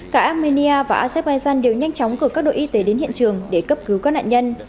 cả armenia và azerbaijan đều nhanh chóng cử các đội y tế đến hiện trường để cấp cứu các nạn nhân